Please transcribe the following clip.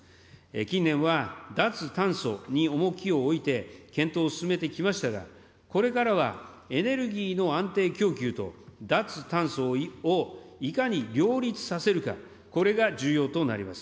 近年は脱炭素に重きを置いて検討を進めてきましたが、これからは、エネルギーの安定供給と脱炭素をいかに両立させるか、これが重要となります。